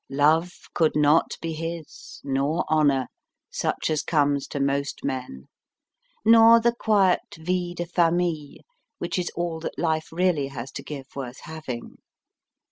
Love could not be his, nor honour, such as comes to most men, nor the quiet vie de famille, which is all that life really has to give worth having.